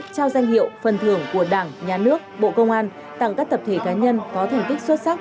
trao danh hiệu phần thưởng của đảng nhà nước bộ công an tặng các tập thể cá nhân có thành tích xuất sắc